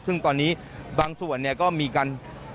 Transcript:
ซึ่งตอนนี้บางส่วนเนี่ยก็มีการ